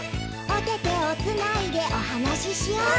「おててをつないでおはなししよう」